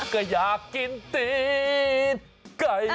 ก็อยากกินใต้งิ่นไก่